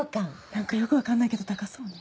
何かよく分かんないけど高そうね。